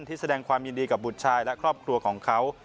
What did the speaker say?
แสดงความยินดีกับบุตรชายและครอบครัวของเขา